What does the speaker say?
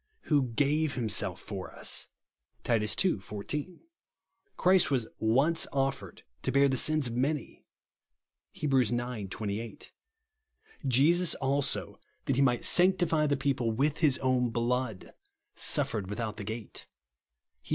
"Who gave himself for us," (Titus ii. 14). " Christ was once offered to bear the sins of many/* (Heb. ix. 28). " Jesus also, that he might sanctify the people with his oiun blood, suf fered without the gate," (Heb.